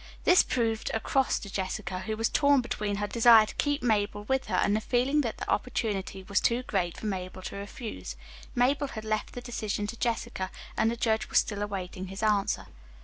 This proved a cross to Jessica, who was torn between her desire to keep Mabel with her, and the feeling that the opportunity was too great for Mabel to refuse. Mabel had left the decision to Jessica, and the judge was still awaiting his answer.